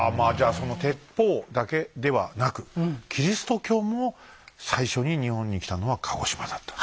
その鉄砲だけではなくキリスト教も最初に日本に来たのは鹿児島だったと。